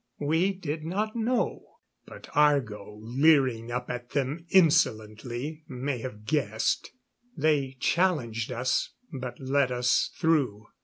We did not know; but Argo, leering up at them insolently, may have guessed. They challenged us, but let us through.